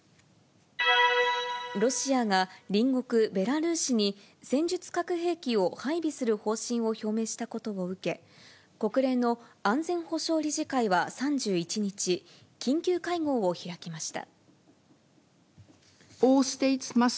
ロシアが隣国、ベラルーシに、戦術核兵器を配備する方針を表明したことを受け、国連の安全保障理事会は３１日、緊急会合を開きました。